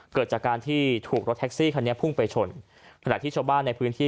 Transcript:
เกิดจากการที่ถูกรถแท็กซี่คันนี้พุ่งไปชนขณะที่ชาวบ้านในพื้นที่